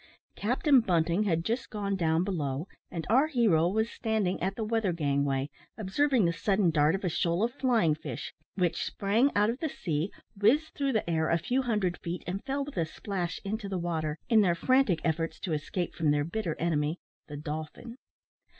Captain Bunting had just gone down below, and our hero was standing at the weather gangway, observing the sudden dart of a shoal of flying fish, which sprang out of the sea, whizzed through the air a few hundred feet, and fell with a splash into the water, in their frantic efforts to escape from their bitter enemy, the dolphin.